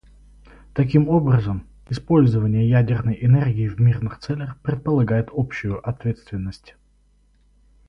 Таким образом, использование ядерной энергии в мирных целях предполагает общую ответственность.